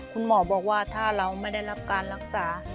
คุณหมอบอกว่าถ้าเราไม่ได้รับการรักษา